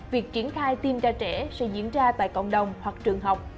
việc triển khai tiêm cho trẻ sẽ diễn ra tại cộng đồng hoặc trường học